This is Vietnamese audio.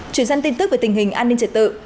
truyền sang tin tức về tình hình an ninh trở tự